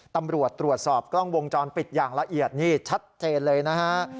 ตำรวจตรวจสอบกล้องวงจรปิดอย่างละเอียดนี่ชัดเจนเลยนะฮะ